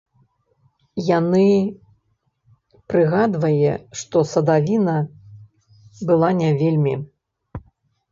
Яны прыгадвае, што садавіна была не вельмі.